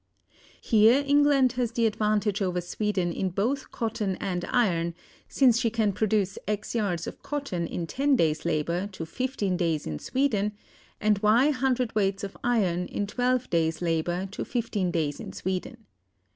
Here England has the advantage over Sweden in both cotton and iron, since she can produce x yards of cotton in ten days' labor to fifteen days in Sweden, and y cwts. of iron in twelve days' labor to fifteen days in Sweden.